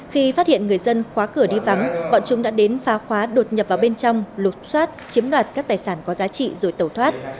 khi phát hiện người dân khóa cửa đi vắng bọn chúng đã đến phá khóa đột nhập vào bên trong lục xoát chiếm đoạt các tài sản có giá trị rồi tẩu thoát